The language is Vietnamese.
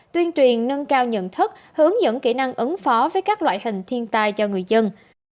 tuyên truyền nâng cao nhận thức hướng dẫn kỹ năng ứng phó với các loại hình thiên tai cho người dân